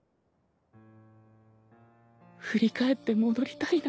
振り返って戻りたいな